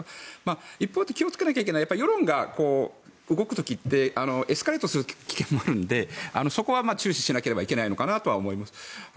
一方で気を付けないといけないのは世論が動く時ってエスカレートする危険もあるのでそこは注視しなければいけないと思います。